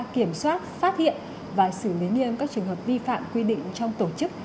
kiểm soát phát hiện và xử lý nghiêm các trường hợp vi phạm quy định trong tổ chức